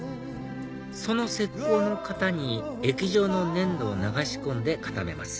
その石こうの型に液状の粘土を流し込んで固めます